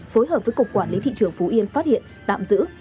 phối hợp với cục quản lý thị trường phú yên phát hiện tạm giữ